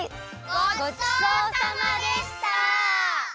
ごちそうさまでした！